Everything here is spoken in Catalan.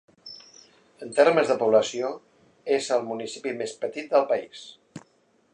En termes de població, és el municipi més petit del país.